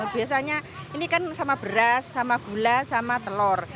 biasanya ini kan sama beras sama gula sama telur